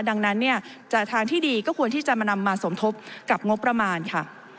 ดังนั้นเนี่ยจากทางที่ดีก็ควรที่จะมานำมาสมทบกับงบประมาณค่ะ